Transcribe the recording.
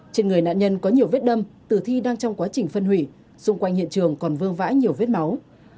trên người nạn nhân có nhiều vết đâm tử thi đang trong quá trình phân hủy xung quanh hiện trường còn vương vãi nhiều vết máu